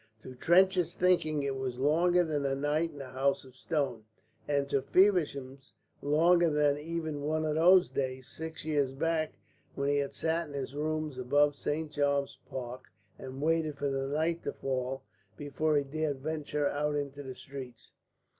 To Trench's thinking it was longer than a night in the House of Stone, and to Feversham longer than even one of those days six years back when he had sat in his rooms above St. James's Park and waited for the night to fall before he dared venture out into the streets.